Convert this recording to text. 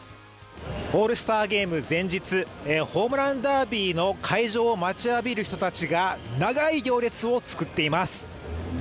オールスターゲーム前日ホームランダービーの開場を待ちわびる人たちが長い行列を作っています。